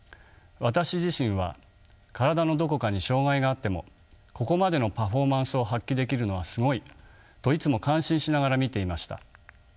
私自身は体のどこかに障がいがあってもここまでのパフォーマンスを発揮できるのはすごいといつも感心しながら見ていました。